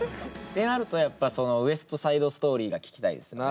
ってなるとやっぱそのウエストサイドストーリーが聞きたいですね。